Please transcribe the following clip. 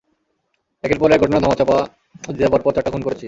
একের পর এক ঘটনা দামাচাপা দিতে পরপর চারটা খুন করেছি।